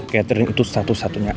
katering itu satu satunya